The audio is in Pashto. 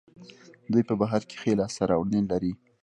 دوی په بهر کې ښې لاسته راوړنې لري.